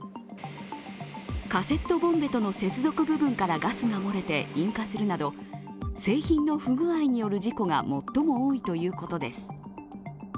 カセットボンベとの接続部分からガスが漏れて引火するなど製品の不具合による事故が最も多いということです。